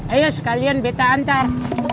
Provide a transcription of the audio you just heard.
ayo sekalian betah antar